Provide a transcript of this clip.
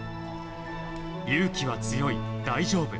侑希は強い、大丈夫。